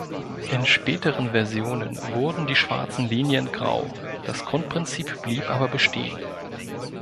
In späteren Versionen wurden die schwarzen Linien grau, das Grundprinzip blieb aber bestehen.